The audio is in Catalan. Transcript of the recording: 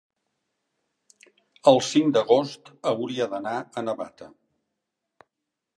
el cinc d'agost hauria d'anar a Navata.